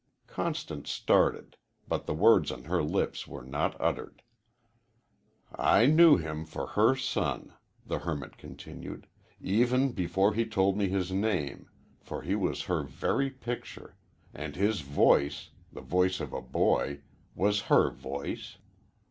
Constance started, but the words on her lips were not uttered. "I knew him for her son," the hermit continued, "even before he told me his name, for he was her very picture, and his voice the voice of a boy was her voice.